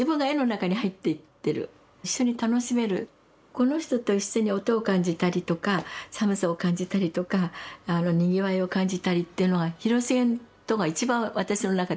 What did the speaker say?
この人と一緒に音を感じたりとか寒さを感じたりとかにぎわいを感じたりっていうのが広重とが一番私の中では多いんです。